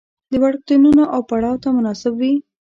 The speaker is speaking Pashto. د وړکتونونو او پړاو ته مناسب وي.